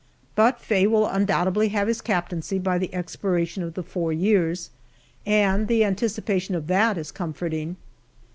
But Faye will undoubtedly have his captaincy by the expiration of the four years, and the anticipation of that is comforting.